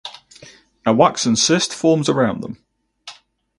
A waxen cyst forms around them.